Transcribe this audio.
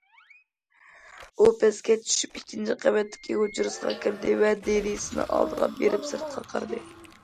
ئۇ پەسكە چۈشۈپ ئىككىنچى قەۋەتتىكى ھۇجرىسىغا كىردى ۋە دېرىزىنىڭ ئالدىغا بېرىپ سىرتقا قارىدى.